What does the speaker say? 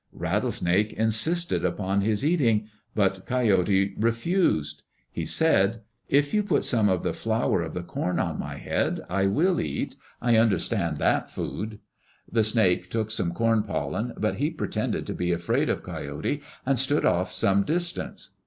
Rattlesnake insisted upon his eating, but Coyote refused. He said, "If you put some of the flower of the corn on my head, I will eat. I understand that food." The snake took some corn pollen, but he pretended to be afraid of Coyote and stood off some distance.